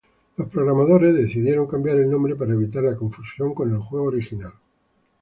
Los programadores decidieron cambiar el nombre para evitar la confusión con el juego original.